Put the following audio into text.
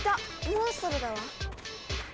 モンストロだわ。